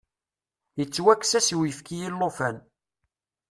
Yettwakkes-as uyefki i llufan.